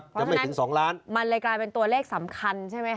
เพราะฉะนั้นจะไม่ถึงสองล้านมันเลยกลายเป็นตัวเลขสำคัญใช่ไหมครับ